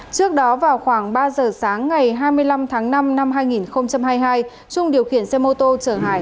trước đó vào khoảng ba giờ sáng ngày hai mươi năm tháng năm năm hai nghìn hai mươi hai trung điều khiển xe mô tô chở hải